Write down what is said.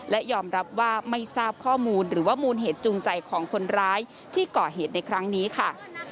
และยอมรับว่าไม่ทราบข้อมูลหรือว่ามูลเหตุจูงใจของคนร้ายที่ก่อเหตุในครั้งนี้ค่ะ